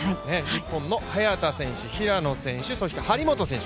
日本の早田選手、平野選手、そして張本選手。